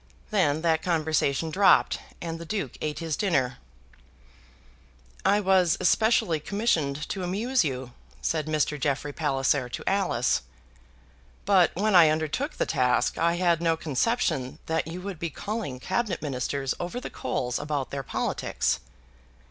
Then that conversation dropped and the Duke ate his dinner. "I was especially commissioned to amuse you," said Mr. Jeffrey Palliser to Alice. "But when I undertook the task I had no conception that you would be calling Cabinet Ministers over the coals about their politics."